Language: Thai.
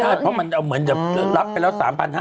ตามไม่ได้เพราะมันเหมือนจะรับไปแล้ว๓๐๐๐๕๐๐๐